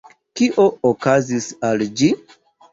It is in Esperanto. Kio okazis al ĝi?